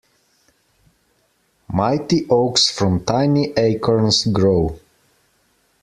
Mighty oaks from tiny acorns grow.